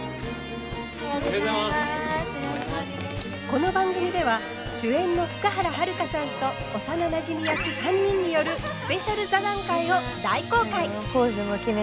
この番組では主演の福原遥さんと幼なじみ役３人によるスペシャル座談会を大公開！